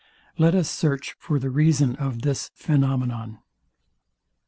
Let us search for the reason of this phænomenon.